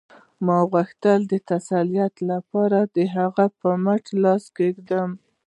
ما غوښتل د تسلۍ لپاره د هغې په مټ لاس کېږدم